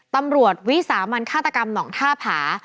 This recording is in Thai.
ตำรวจวิสามันฆาตกรรมหนองท่าผา